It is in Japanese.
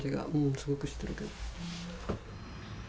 すごくしてるけど。